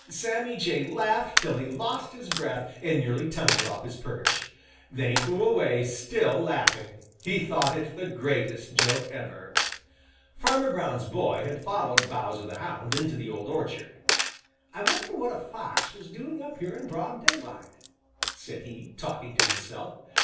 Sammy Jay laughed till he lost his breath and nearly tumbled off his perch. Then he flew away, still laughing. He thought it the greatest joke ever. Farmer Brown's boy had followed Bowser the Hound into the old orchard. "I wonder what a fox was doing up here in broad daylight," said he, talking to himself.